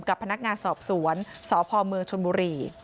กับพนักงานสอบสวนสพชนบุรี